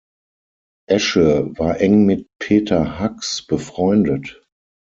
Esche war eng mit Peter Hacks befreundet.